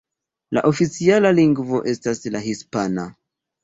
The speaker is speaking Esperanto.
La oficiala lingvo estas la hispana.